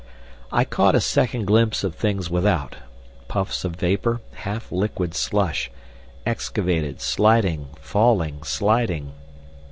I caught a second glimpse of things without, puffs of vapour, half liquid slush, excavated, sliding, falling, sliding.